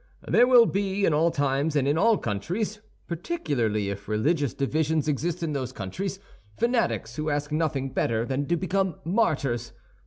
"There will be, in all times and in all countries, particularly if religious divisions exist in those countries, fanatics who ask nothing better than to become martyrs.